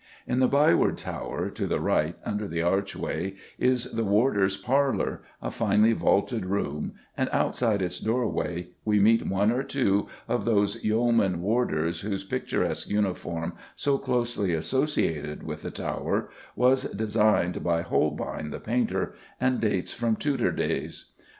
In the Byward Tower, to the right, under the archway, is the Warders' Parlour, a finely vaulted room, and outside its doorway we meet one or two of those Yeomen Warders, whose picturesque uniform, so closely associated with the Tower, was designed by Holbein the painter, and dates from Tudor days.